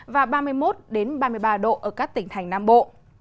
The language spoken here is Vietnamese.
và ba mươi một ba mươi ba độ ở các tỉnh thành nam bộ